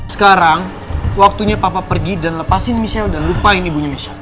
sekarang waktunya papa pergi dan lepasin misha dan lupain ibunya misha